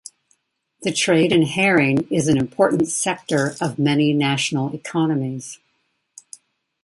The trade in herring is an important sector of many national economies.